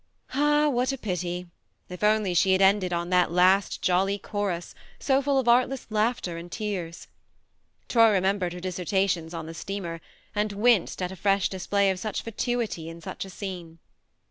Ah, what a pity ! If only she had ended on that last jolly chorus, so full of artless laughter and tears ! Troy remembered her dissertations on the steamer, and winced at a fresh display of such fatuity in such a scene.